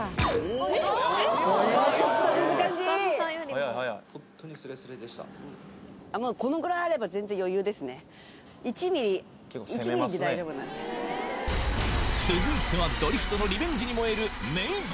ちょっと難しい１ミリ続いてはドリフトのリベンジに燃えるＭａｙＪ．